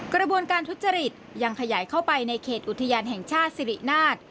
กระบวนการทุจริตยังขยายเข้าไปในเขตอุทยานแห่งชาติสิรินาฏ